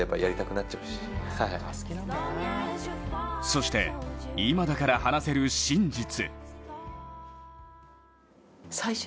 そして、今だから話せる真実。